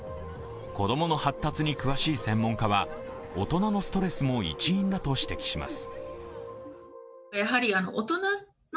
子供の発達に詳しい専門家は大人のストレスも一因だと指摘します。